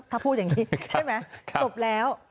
ถ้าพูดอย่างนี้ใช่ไหมจบแล้ว